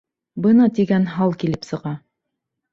Бына тигән һал килеп сыға.